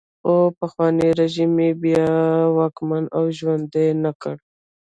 خو پخوانی رژیم یې بیا واکمن او ژوندی نه کړ.